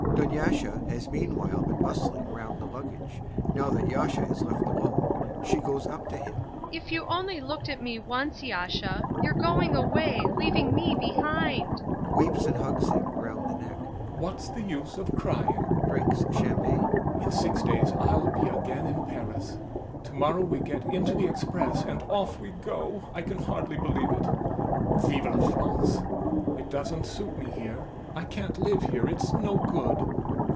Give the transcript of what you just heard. [DUNYASHA has meanwhile been bustling round the luggage; now that YASHA is left alone, she goes up to him.] DUNYASHA. If you only looked at me once, Yasha. You're going away, leaving me behind. [Weeps and hugs him round the neck.] YASHA. What's the use of crying? [Drinks champagne] In six days I'll be again in Paris. To morrow we get into the express and off we go. I can hardly believe it. Vive la France! It doesn't suit me here, I can't live here... it's no good.